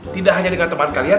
tidak hanya dengan teman kalian